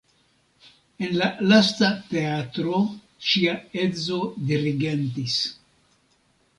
En la lasta teatro ŝia edzo dirigentis.